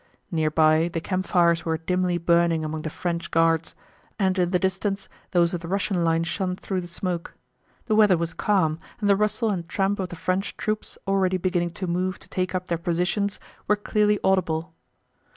Near by, the campfires were dimly burning among the French Guards, and in the distance those of the Russian line shone through the smoke. The weather was calm, and the rustle and tramp of the French troops already beginning to move to take up their positions were clearly audible.